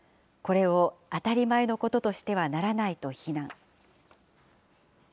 これを当たり前のこととしてはならないと非難。